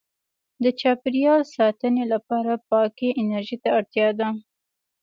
• د چاپېریال ساتنې لپاره پاکې انرژۍ ته اړتیا ده.